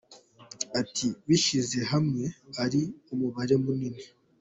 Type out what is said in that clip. Ati « Bishyize hamwe ari umubare munini.